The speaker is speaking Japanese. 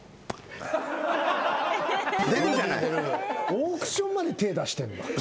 オークションまで手出してるの？